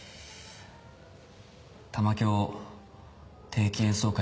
玉響定期演奏会